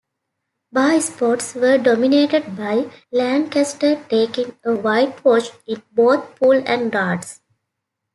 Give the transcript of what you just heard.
Bar sports were dominated by Lancaster, taking a whitewash in both pool and darts.